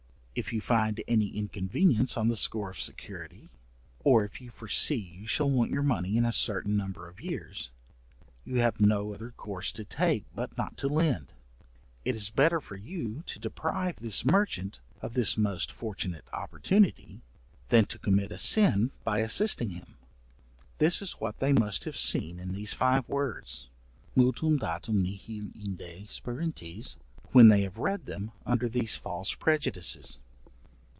If you find any inconvenience on the score of security, or if you foresee you shall want your money in a certain number of years, you have no other course to take but not to lend: It is better for you to deprive this merchant of this most fortunate opportunity, than to commit a sin by assisting him." This is what they must have seen in these five words, mutuum date nihil inde sperantes, when they have read them under these false prejudices.